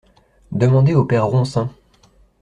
Demandez au Père Ronsin.